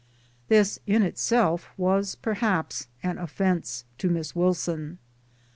This in itself was perhaps an offence to Miss Wilson.